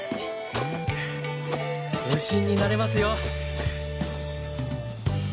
はぁ無心になれますよ。